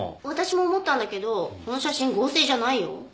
私も思ったんだけどこの写真合成じゃないよ。